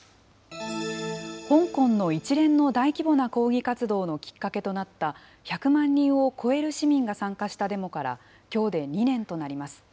香港の一連の大規模な抗議活動のきっかけとなった、１００万人を超える市民が参加したデモから、きょうで２年となります。